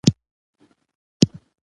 مجاهد د ژوند هره شېبه جهاد ګڼي.